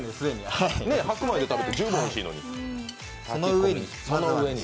白米で食べて十分おいしいのに。